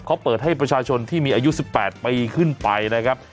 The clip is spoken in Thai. เขาเปิดให้ประชาชนที่มีอายุ๑๘ปีขึ้นไปนะครับ